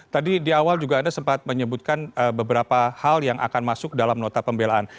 tadi di awal juga anda sempat menyebutkan beberapa hal yang akan masuk dalam nota pembelaan